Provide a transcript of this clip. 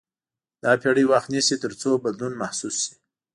دا پېړۍ وخت نیسي تر څو بدلون محسوس شي.